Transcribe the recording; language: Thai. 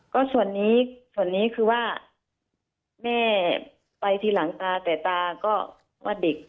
ก็ส่วนนี้ส่วนนี้คือว่าแม่ไปทีหลังตาแต่ตาก็ว่าเด็ก